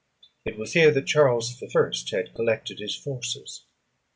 It was here that Charles I. had collected his forces.